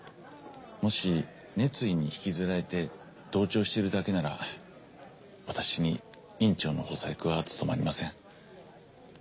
もし熱意に引きずられて同調しているだけなら私に院長の補佐役は務まりません。